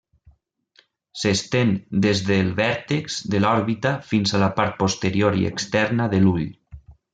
S'estén des del vèrtex de l'òrbita fins a la part posterior i externa de l'ull.